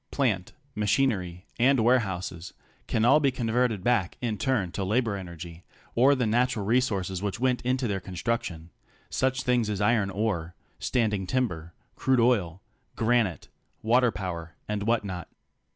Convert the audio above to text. Plant, machinery, and warehouses can all be converted back in turn to labor energy or the natural resources which went into their construction — such things as iron ore, standing timber, crude oil, granite, waterpower and what not.